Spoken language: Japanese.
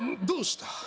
どうした？